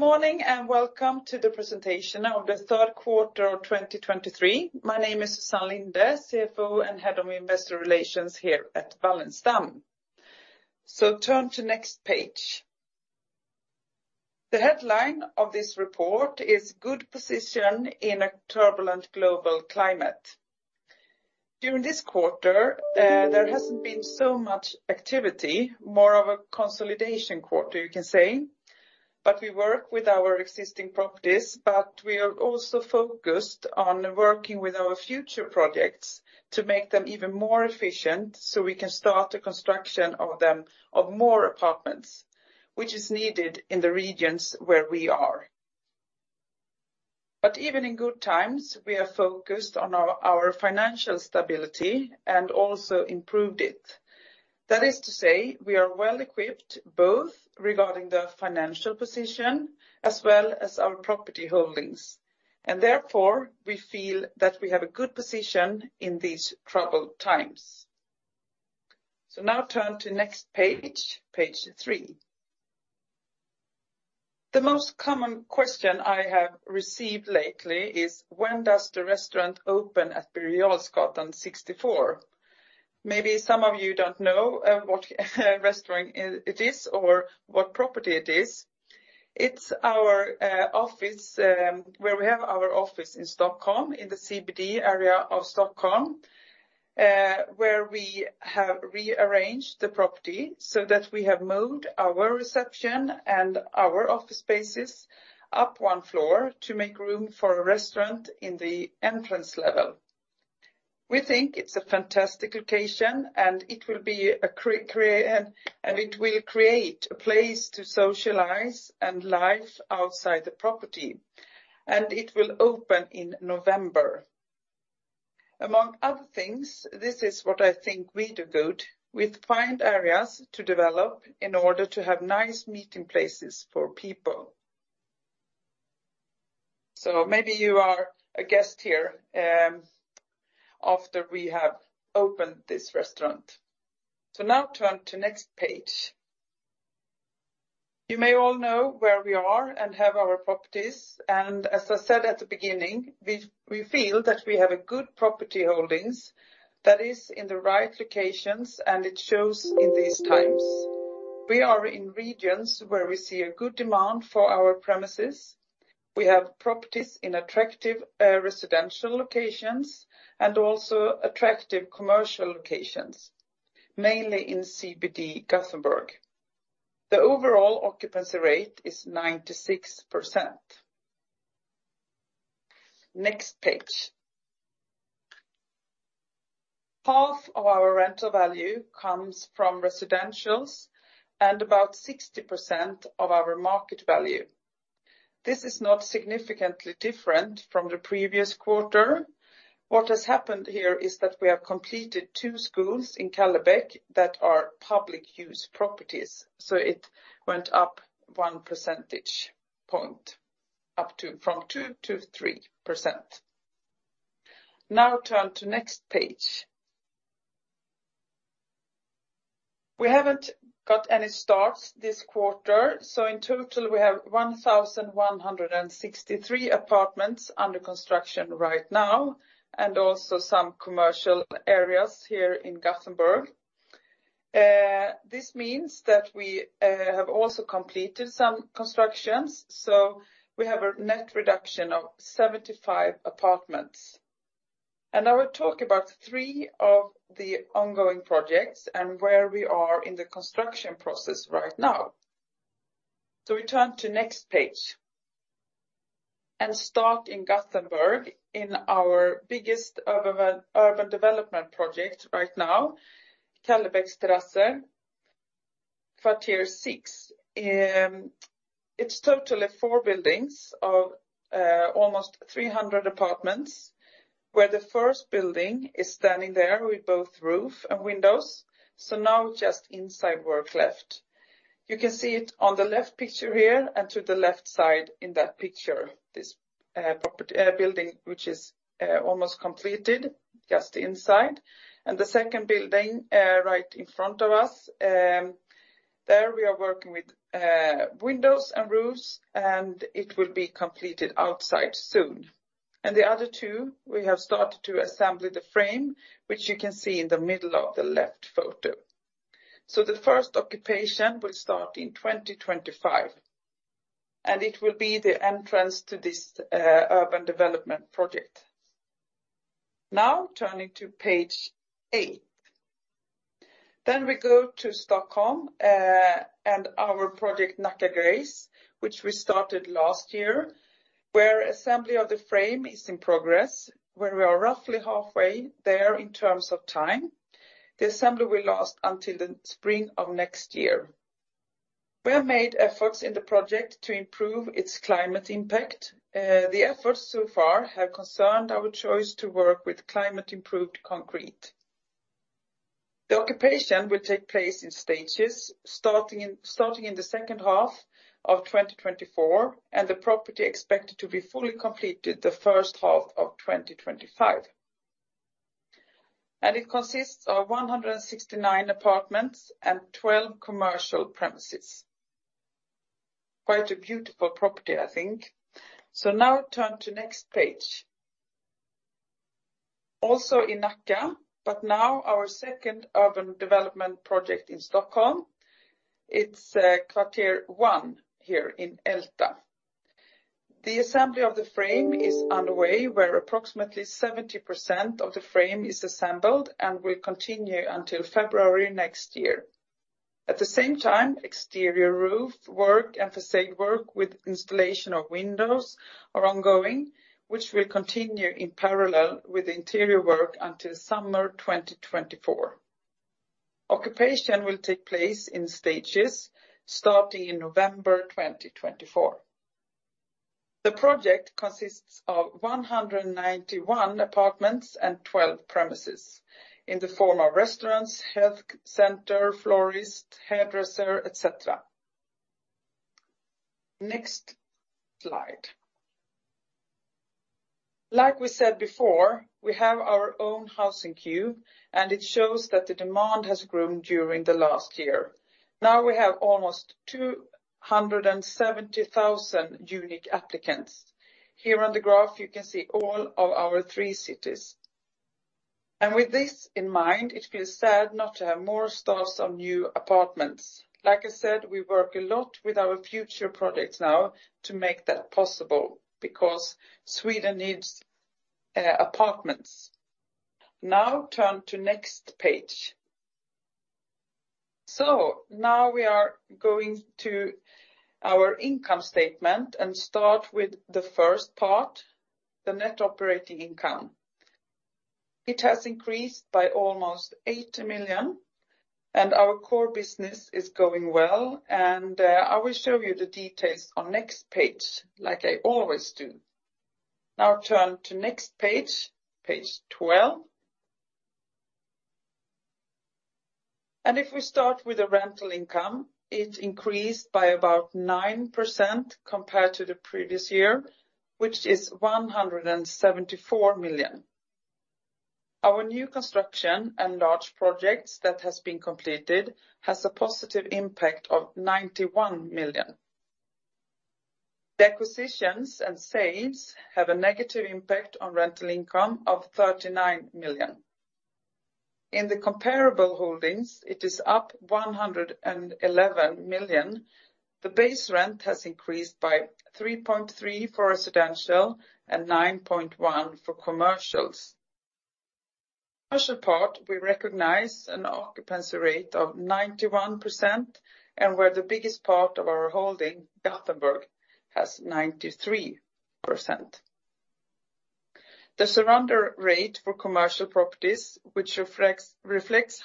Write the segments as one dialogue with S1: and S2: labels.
S1: Morning and welcome to the presentation of the Third Quarter of 2023. My name is Susann Linde, CFO and Head of Investor Relations here at Wallenstam. Turn to next page. The headline of this report is Good Position in a Turbulent Global Climate. During this quarter, there hasn't been so much activity, more of a consolidation quarter, you can say. We work with our existing properties, but we are also focused on working with our future projects to make them even more efficient, so we can start the construction of them, of more apartments, which is needed in the regions where we are. Even in good times, we are focused on our financial stability and also improved it. That is to say, we are well-equipped both regarding the financial position as well as our property holdings. Therefore, we feel that we have a good position in these troubled times. Now turn to next page page. The most common question I have received lately is, when does the restaurant open at Birger Jarlsgatan 64? Maybe some of you don't know, what restaurant it is or what property it is. It's our office, where we have our office in Stockholm, in the CBD area of Stockholm, where we have rearranged the property so that we have moved our reception and our office spaces up one floor to make room for a restaurant in the entrance level. We think it's a fantastic location, it will create a place to socialize and life outside the property, and it will open in November. Among other things, this is what I think we do good. We find areas to develop in order to have nice meeting places for people. Maybe you are a guest here after we have opened this restaurant. Now turn to next page. You may all know where we are and have our properties. As I said at the beginning, we feel that we have a good property holdings that is in the right locations, and it shows in these times. We are in regions where we see a good demand for our premises. We have properties in attractive residential locations and also attractive commercial locations, mainly in CBD Gothenburg. The overall occupancy rate is 96%. Next page. Half of our rental value comes from residentials and about 60% of our market value. This is not significantly different from the previous quarter. What has happened here is that we have completed two schools in Kallebäck that are public use properties, so it went up one percentage point, from 2%-3%. Turn to next page. We haven't got any starts this quarter, so in total, we have 1,163 apartments under construction right now and also some commercial areas here in Gothenburg. This means that we have also completed some constructions, so we have a net reduction of 75 apartments. I will talk about three of the ongoing projects and where we are in the construction process right now. We turn to next page. Start in Gothenburg in our biggest urban development project right now, Kallebäcks Terrasser, Kvarter 6. It's totally four buildings of almost 300 apartments, where the first building is standing there with both roof and windows. Now just inside work left. You can see it on the left picture here and to the left side in that picture, this building, which is almost completed, just inside. The second building, right in front of us, there we are working with windows and roofs, and it will be completed outside soon. The other two, we have started to assembly the frame, which you can see in the middle of the left photo. The first occupation will start in 2025, and it will be the entrance to this urban development project. Turning to page eight. We go to Stockholm, and our project Nacka Grace, which we started last year, where assembly of the frame is in progress, where we are roughly halfway there in terms of time. The assembly will last until the spring of next year. We have made efforts in the project to improve its climate impact. The efforts so far have concerned our choice to work with climate-improved concrete. The occupation will take place in stages, starting in the second half of 2024, and the property expected to be fully completed the first half of 2025. It consists of 169 apartments and 12 commercial premises. Quite a beautiful property, I think. Now turn to next page. Also in Nacka, now our second urban development project in Stockholm. It's Q1 here in Älta. The assembly of the frame is underway, where approximately 70% of the frame is assembled, and will continue until February 2024. At the same time, exterior roof work and façade work with installation of windows are ongoing, which will continue in parallel with interior work until summer 2024. Occupation will take place in stages, starting in November 2024. The project onsists of 191 apartments and 12 premises in the form of restaurants, health center, florist, hairdresser, et cetera. Next slide. Like we said before, we have our own housing queue, and it shows that the demand has grown during the last year. Now we have almost 270,000 unique applicants. Here on the graph, you can see all of our three cities. With this in mind, it feels sad not to have more starts on new apartments. Like I said, we work a lot with our future projects now to make that possible because Sweden needs apartments. Turn to next page. Now we are going to our income statement and start with the first part, the Net Operating Income. It has increased by almost 80 million, and our core business is going well, and I will show you the details on next page, like I always do. Turn to next page 12. If we start with the rental income, it increased by about 9% compared to the previous year, which is 174 million. Our new construction and large projects that has been completed has a positive impact of 91 million. The acquisitions and sales have a negative impact on rental income of 39 million. In the comparable holdings, it is up 111 million. The base rent has increased by 3.3 for residential and 9.1 for commercials. Commercial part, we recognize an occupancy rate of 91%, and where the biggest part of our holding, Gothenburg, has 93%. The surrender rate for commercial properties, which reflects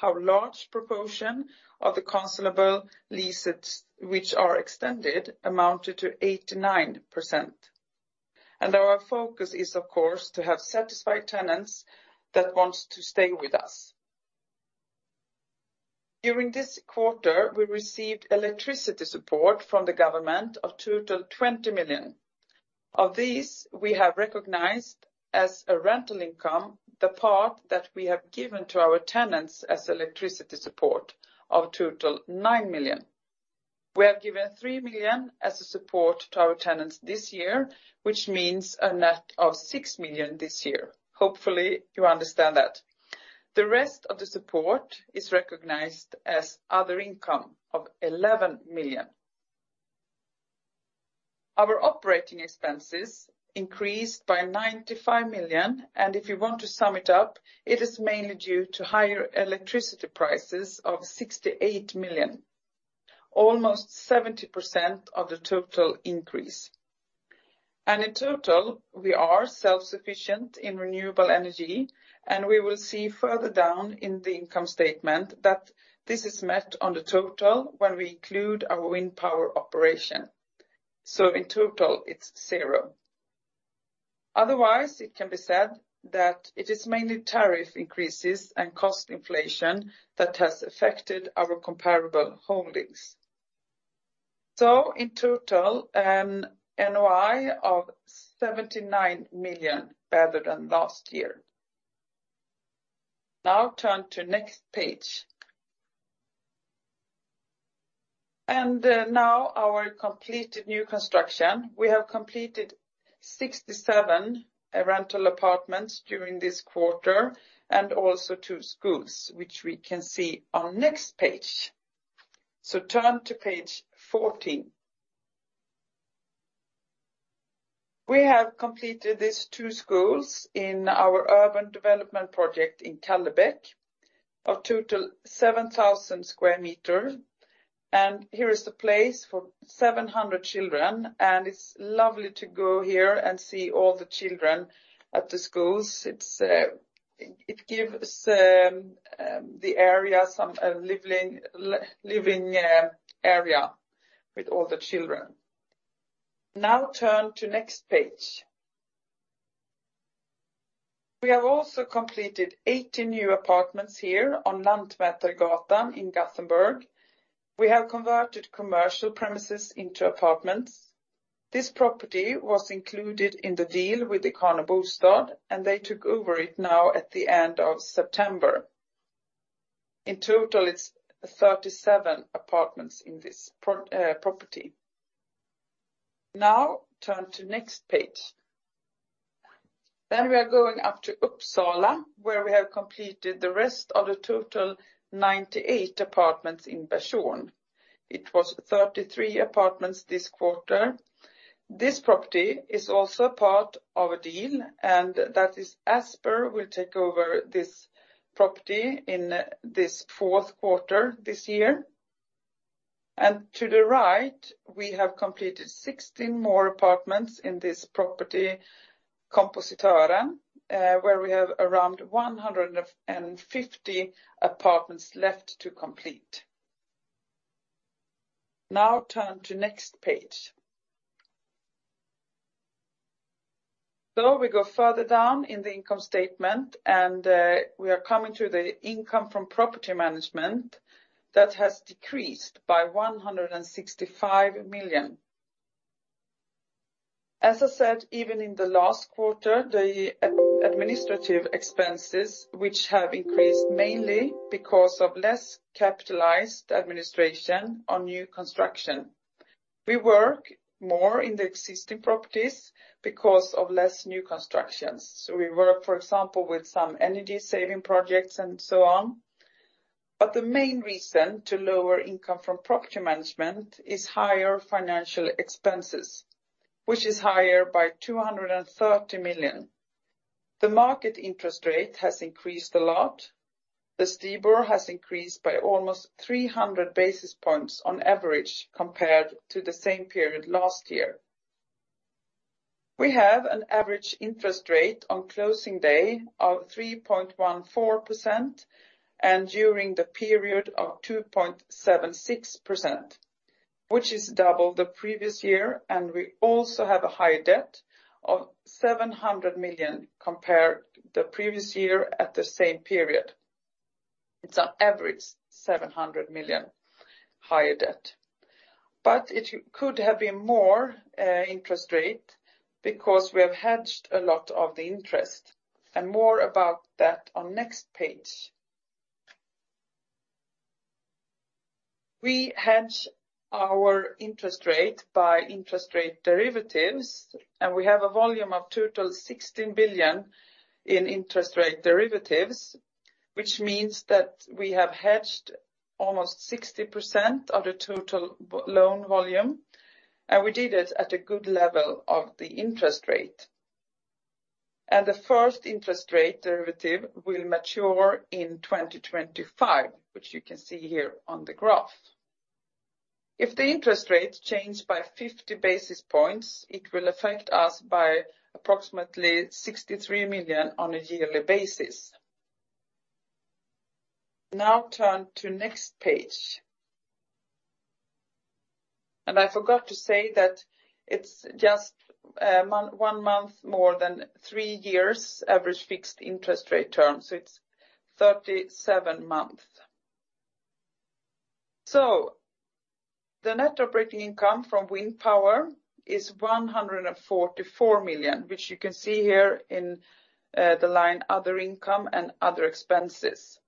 S1: how large proportion of the cancelable leases which are extended amounted to 89%. Our focus is, of course, to have satisfied tenants that wants to stay with us. During this quarter, we received electricity support from the government of total 20 million. Of these, we have recognized as a rental income the part that we have given to our tenants as electricity support of total 9 million. We have given 3 million as a support to our tenants this year, which means a net of 6 million this year. Hopefully, you understand that. The rest of the support is recognized as other income of 11 million. Our operating expenses increased by 95 million, if you want to sum it up, it is mainly due to higher electricity prices of 68 million, almost 70% of the total increase. In total, we are self-sufficient in renewable energy, and we will see further down in the income statement that this is met on the total when we include our wind power operation. In total, it's zero. Otherwise, it can be said that it is mainly tariff increases and cost inflation that has affected our comparable holdings. In total, NOI of 79 million, better than last year. Now turn to next page. Now our completed new construction. We have completed 67 rental apartments during this quarter and also two schools, which we can see on next page. Turn to page 14. We have completed these two schools in our urban development project in Kallebäck of total 7,000 square meter. Here is the place for 700 children, and it's lovely to go here and see all the children at the schools. It gives the area some living area with all the children. Turn to next page. We have also completed 80 new apartments here on Lantmätergatan in Gothenburg. We have converted commercial premises into apartments. This property was included in the deal with the. Turn to next page. We are going up to Uppsala, where we have completed the rest of the total 98 apartments in Bersån. It was 33 apartments this quarter. This property is also part of a deal, that is ASPER will take over this property in this fourth quarter this year. To the right, we have completed 16 more apartments in this property, Kompositören, where we have around 150 apartments left to complete. Now turn to next page. We go further down in the income statement, we are coming to the income from property management. That has decreased by 165 million. As I said, even in the last quarter, the administrative expenses, which have increased mainly because of less capitalized administration on new construction. We work more in the existing properties because of less new constructions. We work, for example, with some energy-saving projects and so on. The main reason to lower income from property management is higher financial expenses, which is higher by 230 million. The market interest rate has increased a lot. The STIBOR has increased by almost 300 basis points on average compared to the same period last year. We have an average interest rate on closing day of 3.14%, and during the period of 2.76%, which is double the previous year. We also have a high debt of 700 million compared the previous year at the same period. It's on average 700 million higher debt. It could have been more interest rate because we have hedged a lot of the interest. More about that on next page. We hedge our interest rate by interest rate derivatives. We have a volume of total 16 billion in interest rate derivatives, which means that we have hedged almost 60% of the total loan volume. We did it at a good level of the interest rate. The first interest rate derivative will mature in 2025, which you can see here on the graph. If the interest rates change by 50 basis points, it will affect us by approximately 63 million on a yearly basis. Now turn to next page. I forgot to say that it's just one month more than 3 years average fixed interest rate term, so it's 37 months. The net operating income from wind power is 144 million, which you can see here in the line other income and other expenses.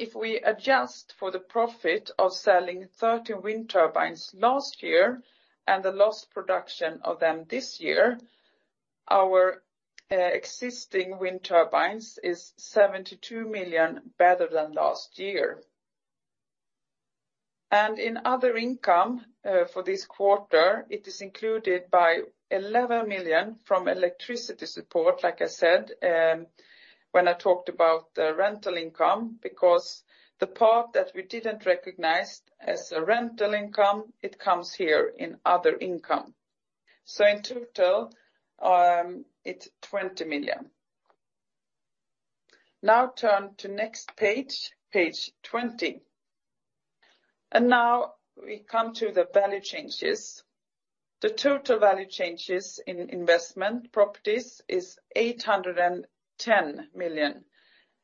S1: If we adjust for the profit of selling 13 wind turbines last year and the lost production of them this year, our existing wind turbines is 72 million better than last year. In other income, for this quarter, it is included by 11 million from electricity support, like I said, when I talked about the rental income, because the part that we didn't recognize as a rental income, it comes here in other income. In total, it's 20 million. Turn to next page 20. We come to the value changes. The total value changes in investment properties is 810 million,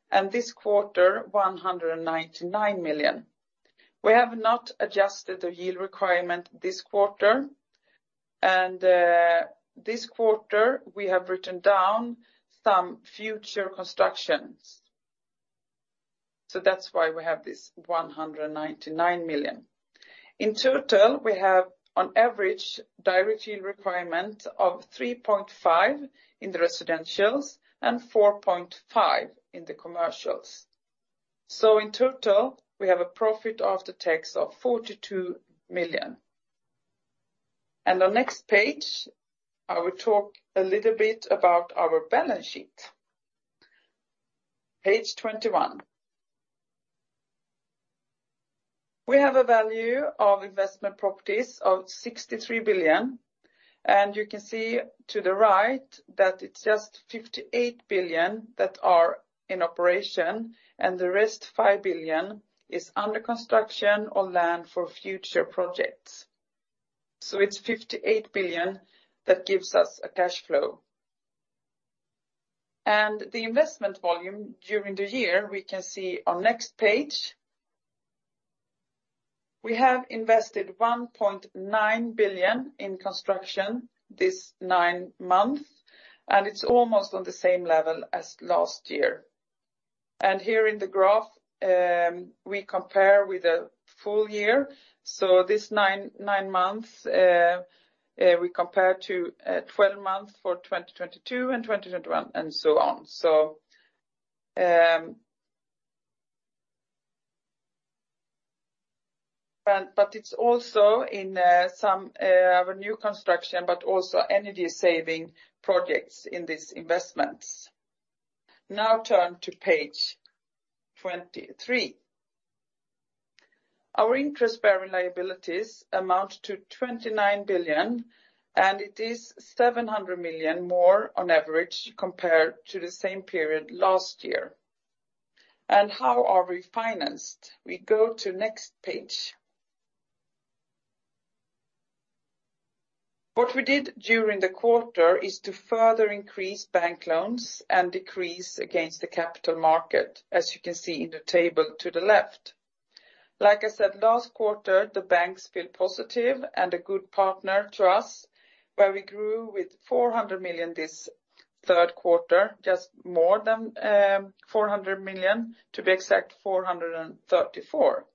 S1: and this quarter, 199 million. We have not adjusted the yield requirement this quarter, and this quarter, we have written down some future constructions. That's why we have this 199 million. In total, we have on average direct yield requirement of 3.5% in the residentials and 4.5% in the commercials. In total, we have a profit after tax of 42 million. On next page, I will talk a little bit about our balance sheet. Page 21. We have a value of investment properties of 63 billion, and you can see to the right that it's just 58 billion that are in operation, and the rest, 5 billion, is under construction on land for future projects. It's 58 billion that gives us a cash flow. The investment volume during the year, we can see on next page. We have invested 1.9 billion in construction this nine months, and it's almost on the same level as last year. Here in the graph, we compare with the full year. This nine months, we compare to 12 months for 2022 and 2021, and so on. But it's also in some new construction, but also energy-saving projects in these investments. Now turn to page 23. Our interest-bearing liabilities amount to 29 billion. It is 700 million more on average compared to the same period last year. How are we financed? We go to next page. What we did during the quarter is to further increase bank loans and decrease against the capital market, as you can see in the table to the left. Like I said, last quarter, the banks feel positive and a good partner to us, where we grew with 400 million this third quarter, just more than 400 million, to be exact, 434 million.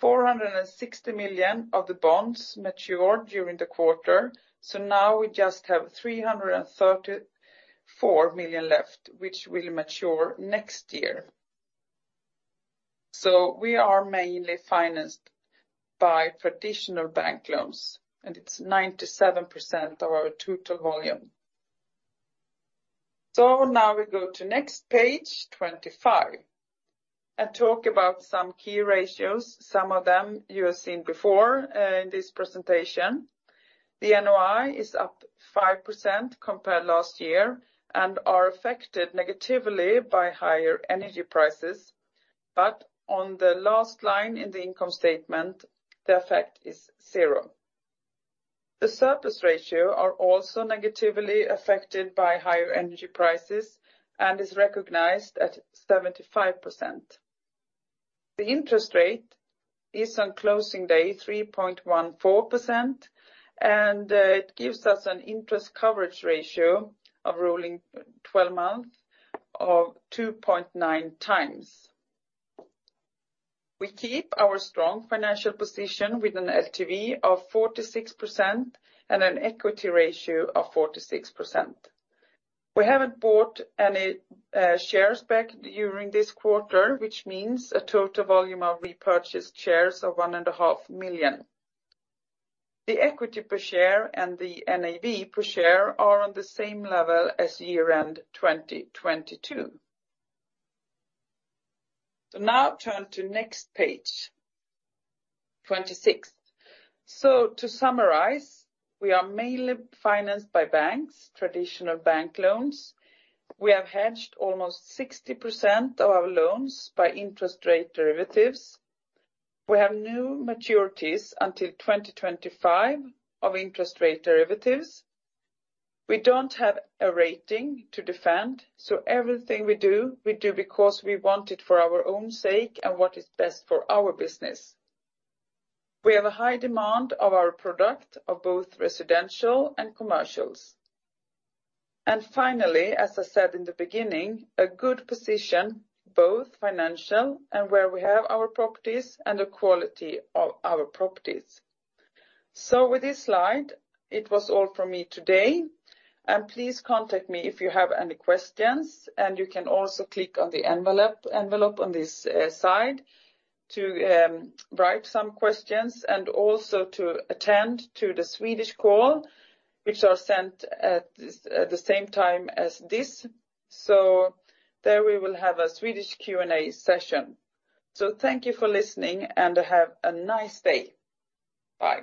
S1: 460 million of the bonds matured during the quarter, now we just have 334 million left, which will mature next year. We are mainly financed by traditional bank loans, and it's 97% of our total volume. Now we go to next page 25 and talk about some key ratios. Some of them you have seen before in this presentation. The NOI is up 5% compared last year and are affected negatively by higher energy prices. On the last line in the income statement, the effect is zero. The surplus ratio are also negatively affected by higher energy prices and is recognized at 75%. The interest rate is on closing day 3.14%. It gives us an interest coverage ratio of rolling 12-month of 2.9x. We keep our strong financial position with an LTV of 46% and an equity ratio of 46%. We haven't bought any shares back during this quarter, which means a total volume of repurchased shares of one and a half million. The equity per share and the NAV per share are on the same level as year-end 2022. Now turn to next page, 26. To summarize, we are mainly financed by banks, traditional bank loans. We have hedged almost 60% of our loans by interest rate derivatives. We have no maturities until 2025 of interest rate derivatives. We don't have a rating to defend, so everything we do, we do because we want it for our own sake and what is best for our business. We have a high demand of our product of both residential and commercials. Finally, as I said in the beginning, a good position, both financial and where we have our properties and the quality of our properties. With this slide, it was all from me today. Please contact me if you have any questions. You can also click on the envelope on this slide to write some questions and also to attend to the Swedish call, which are sent at the same time as this. There we will have a Swedish Q&A session. Thank you for listening, and have a nice day. Bye.